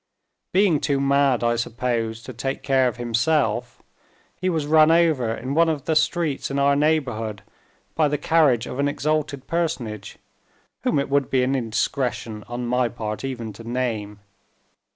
Being too mad, I suppose, to take care of himself, he was run over in one of the streets in our neighborhood by the carriage of an exalted personage, whom it would be an indiscretion on my part even to name.